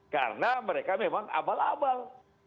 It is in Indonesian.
karena mereka memang abal abal